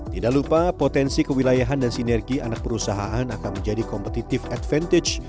tidak lupa potensi kewilayahan dan sinergi anak perusahaan akan menjadi competitive advantage